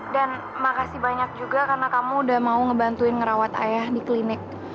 dan makasih banyak juga karena kamu udah mau ngebantuin ngerawat ayah di klinik